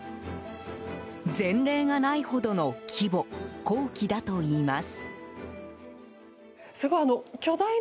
前例がないほどの規模工期だといいます。